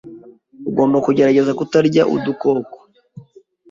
Ugomba kugerageza kutarya udukoko.